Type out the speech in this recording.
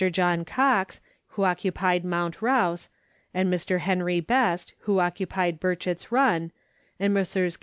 John Cox, who occu pied Mount Rouse, and Mr. Henry Best, who occupied Burchett's run, and Messrs.